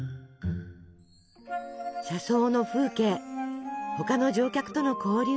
車窓の風景他の乗客との交流。